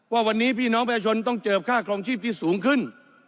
ว่าวันนี้พี่น้องประชาชนต้องเจิบค่าครองชีพที่สูงขึ้น